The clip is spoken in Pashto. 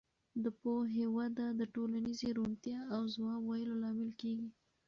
د پوهې وده د ټولنیزې روڼتیا او ځواب ویلو لامل کېږي.